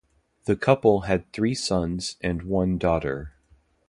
The couple had three sons and one daughter.